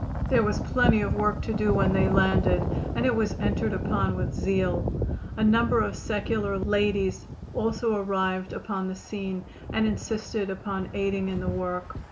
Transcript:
There was plenty of work to do when they landed, and it was entered upon with zeal. A number of secular ladies also arrived upon the scene and insisted upon aiding in the work.